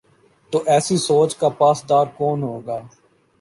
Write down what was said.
تو ایسی سوچ کا پاسدار کون ہو گا؟